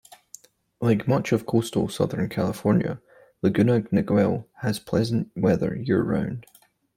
Like much of coastal Southern California, Laguna Niguel has pleasant weather year-round.